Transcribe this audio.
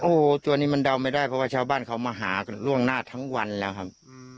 โอ้โหตัวนี้มันเดาไม่ได้เพราะว่าชาวบ้านเขามาหากันล่วงหน้าทั้งวันแล้วครับ